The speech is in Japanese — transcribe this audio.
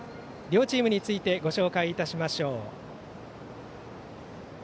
両チームについてご紹介いたしましょう。